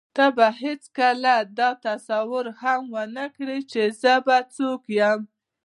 ته به هېڅکله دا تصور هم ونه کړې چې زه څوک یم.